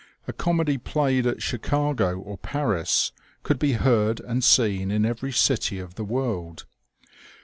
A comedy played at Chicago or Paris could be heard and seen in every city of the world.